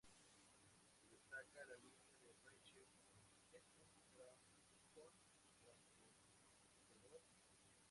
Se destaca la línea de Rachel, "¡Es un transpon-transpondedor!